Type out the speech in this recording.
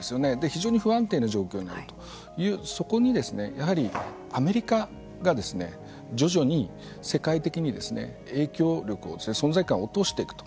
非常に不安定な状況にあるというそこにやはりアメリカが徐々に世界的な影響力を存在感を落としていくと。